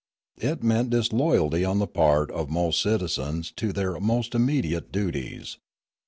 It meant disloyalty on the part of most citizens to their most immediate duties.